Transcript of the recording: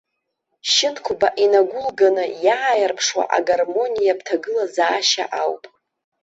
Шьынқәба инагәылганы иааирԥшуа агармониатә ҭагылазаашьа ауп.